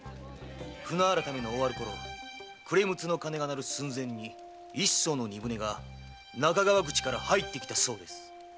船改めの終わるころ暮れ六つの鐘が鳴る寸前に一艘の荷船が中川口から入ってきたそうです。